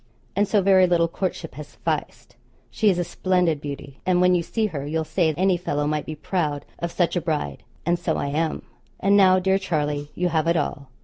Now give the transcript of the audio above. And so very little courtship has sufficed. She is a splendid beauty, and when you see her you'll say any fellow might be proud of such a bride; and so I am. And now, dear Charlie, you have it all.